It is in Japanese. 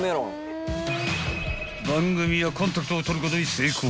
［番組はコンタクトを取ることに成功］